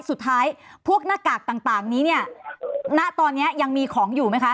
สุดท้ายพวกหน้ากากต่างนี้เนี่ยณตอนนี้ยังมีของอยู่ไหมคะ